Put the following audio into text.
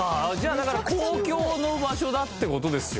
だから公共の場所だって事ですよ